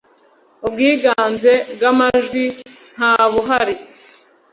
ubwiganze bwamajwi ntabuhari.